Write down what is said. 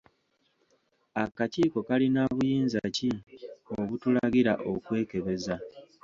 Akakiiko kalina buyinza ki obutulagira okwekebeza?